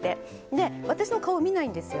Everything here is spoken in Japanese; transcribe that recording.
で私の顔見ないんですよ